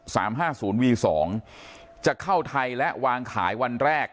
ห้าศูนย์วีสองจะเข้าไทยและวางขายวันแรก